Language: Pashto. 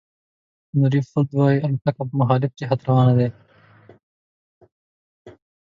هینري فورد وایي الوتکه په مخالف جهت روانه وي.